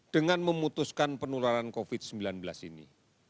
dengan memutuskan penularan covid sembilan belas ini